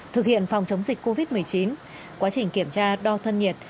thực hiện phòng chống dịch covid một mươi chín quá trình kiểm tra đo thân nhiệt